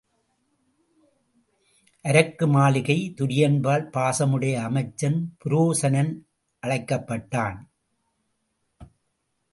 அரக்கு மாளிகை துரியன்பால் பாசம் உடைய அமைச்சன் புரோசனன் அழைக்கப்பட்டான்.